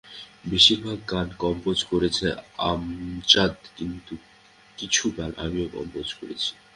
বেশির ভাগ গান কম্পোজ করেছে আমজাদ, কিছু গান আমিও কম্পোজ করেছি।